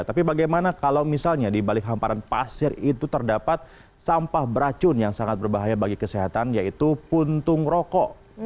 tapi bagaimana kalau misalnya di balik hamparan pasir itu terdapat sampah beracun yang sangat berbahaya bagi kesehatan yaitu puntung rokok